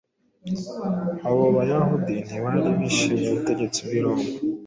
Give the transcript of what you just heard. Abo Bayahudi ntibari bishimiye ubutegetsi bw’i Roma